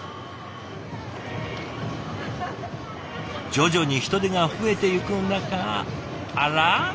徐々に人出が増えていく中あらぁ？